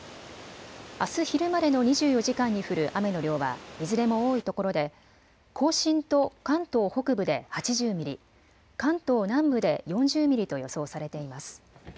あす昼までの２４時間に降る雨の量はいずれも多いところで甲信と関東北部で８０ミリ、関東南部で４０ミリと予想されています。